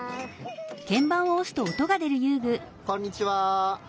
こんにちは。